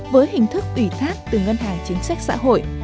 với hình thức ủy thác từ ngân hàng chính sách xã hội